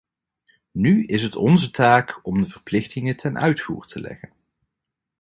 Nu is het onze taak om de verplichtingen ten uitvoer te leggen.